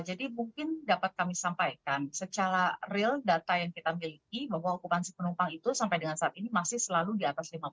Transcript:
mungkin dapat kami sampaikan secara real data yang kita miliki bahwa okupansi penumpang itu sampai dengan saat ini masih selalu di atas lima puluh